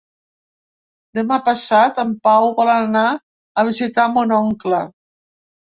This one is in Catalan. Demà passat en Pau vol anar a visitar mon oncle.